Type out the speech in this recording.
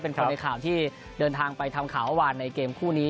คนในข่าวที่เดินทางไปทำข่าวเมื่อวานในเกมคู่นี้